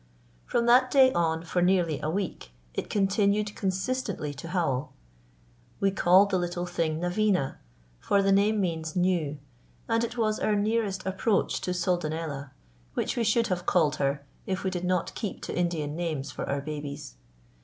From that day on for nearly a week it continued consistently to howl. We called the little thing Naveena, for the name means "new"; and it was our nearest approach to Soldanella, which we should have called her if we did not keep to Indian names for our babies.